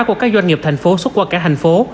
của các doanh nghiệp thành phố xuất qua cả thành phố